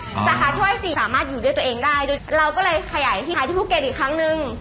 สาขาช่วยสี่สามารถอยู่ด้วยตัวเองได้โดยเราก็เลยขยายที่ขายที่ภูเก็ตอีกครั้งนึง